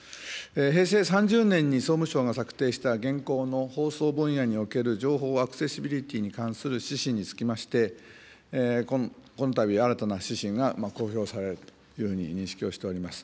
平成３０年に総務省が策定した、現行の放送分野における情報アクセシビリティーに関する指針につきまして、このたび、新たな指針が公表されるというふうに認識をしております。